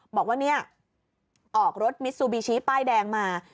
บอกว่าเนี่ยออกรถมิซูบิชิป้ายแดงมา